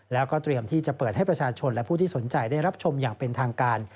แล้วก็เตรียมที่จะเปิดให้ประชาชนและผู้ที่สนใจได้รับชมอย่างเป็นทางการ